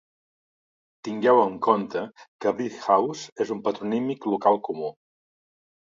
Tingueu en compte que "Brickhouse" és un patronímic local comú.